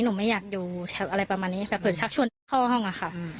หนูไม่อยากอยู่แถวอะไรประมาณนี้แต่เหมือนชักชวนพี่เข้าห้องอะค่ะ